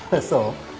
そう？